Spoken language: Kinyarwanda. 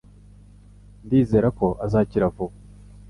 Ndizera ko azakira vuba